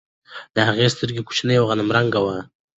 د هغې سترګې کوچنۍ او غنم رنګه وه.